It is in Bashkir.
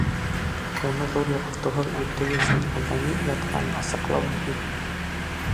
Уны ҙур юғалтыуһыҙ үтеү өсөн алда ни ятҡанын асыҡлау мөһим.